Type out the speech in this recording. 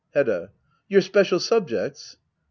Hedda. Your special subjects